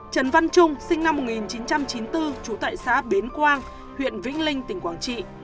trần văn trung sinh năm một nghìn chín trăm chín mươi bốn trú tại xã bến quang huyện vĩnh linh tỉnh quảng trị